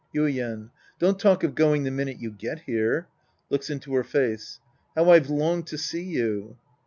Yuien. Don't talk of going the minute you get here. {Looks into her face.) How I've longed to see you